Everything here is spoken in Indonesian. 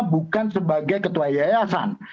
bukan sebagai ketua yayasan